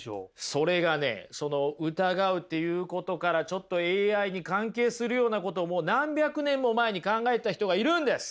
それがねその疑うということからちょっとＡＩに関係するようなことも何百年も前に考えた人がいるんです！